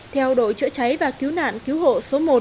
theo đội chữa cháy và cứu nạn cứu hộ số một